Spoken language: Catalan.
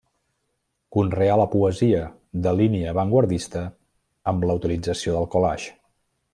Conreà la poesia, de línia avantguardista, amb la utilització del collage.